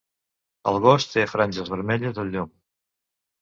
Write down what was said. El gos té franges vermelles al llom.